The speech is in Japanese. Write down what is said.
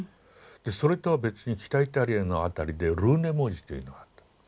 それとは別に北イタリアの辺りでルーネ文字というのがあった。